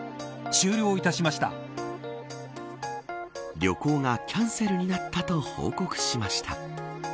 旅行がキャンセルになったと報告しました。